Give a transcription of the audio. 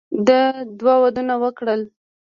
ده دوه ودونه وکړل.